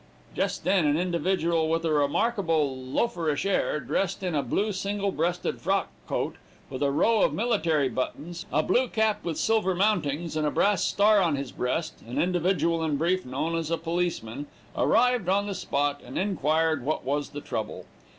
"Just then an individual with a remarkable loaferish air, dressed in a blue single breasted frock coat, with a row of military buttons, a blue cap with silver mountings, and a brass star on his breast an individual, in brief, known as a policeman arrived on the spot, and inquired what was the trouble.